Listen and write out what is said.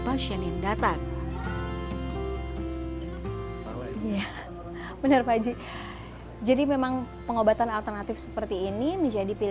pasien yang datang iya benar pak jadi memang pengobatan alternatif seperti ini menjadi pilihan